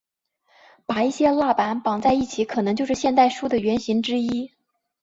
把一些蜡板绑在一起可能就是现代书的原型之一。